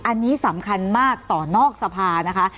อันนี้สำคัญมากต่อนอกสภานะคะ